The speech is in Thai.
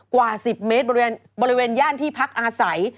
กว่า๑๐เมตรบริเวณย่านที่พักอาศัย